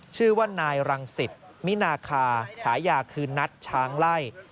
ชื่อว่านายรังสิตมินาคาฉายาคือนัทช้างไล่